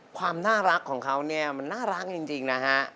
ความน่ารักของเขาเนี่ยมันน่ารักจริงนะฮะ